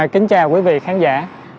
kính chào quý vị khán giả